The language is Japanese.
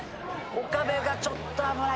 岡部がちょっと危ない。